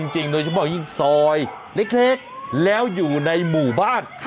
โดยเฉพาะยิ่งซอยเล็กแล้วอยู่ในหมู่บ้าน